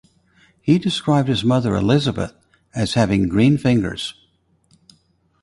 He described his mother Elizabeth as having "green fingers".